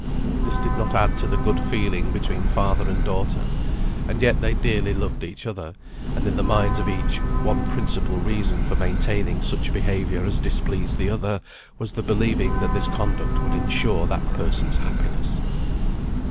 This did not add to the good feeling between father and daughter, and yet they dearly loved each other; and in the minds of each, one principal reason for maintaining such behaviour as displeased the other, was the believing that this conduct would insure that person's happiness.